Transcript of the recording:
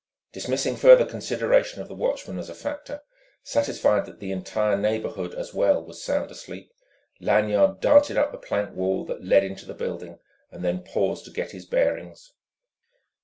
Dismissing further consideration of the watchman as a factor, satisfied that the entire neighbourhood as well was sound asleep, Lanyard darted up the plank walk that led into the building, then paused to get his bearings.